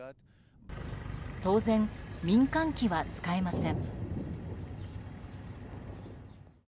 当然、民間機は使えません。